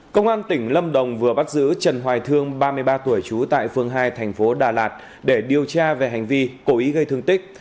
công an tỉnh lâm đồng vừa bắt giữ trần hoài thương ba mươi ba tuổi trú tại phường hai thành phố đà lạt để điều tra về hành vi cố ý gây thương tích